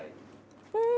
うん！